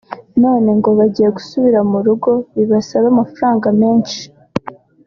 none ngo bagiye gusubira mu rugo bibasabe amafaranga menshi